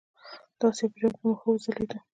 د آسیا په جام کې موږ ښه وځلیدو.